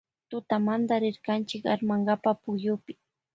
Tutamante rirkanchi armankapa pukyupi.